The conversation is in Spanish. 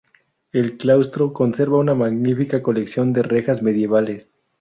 El claustro conserva una magnífica colección de rejas medievales.